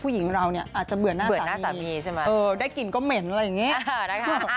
ผู้หญิงเราอาจจะเบื่อหน้าสามีได้กลิ่นก็เหม็นอะไรอย่างนี้